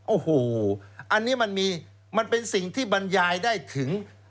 โอ้โหอันนี้มันมีมันเป็นสิ่งที่บรรยายได้ถึง